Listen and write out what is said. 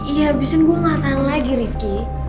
ya abisin gue gak tau lagi rifqi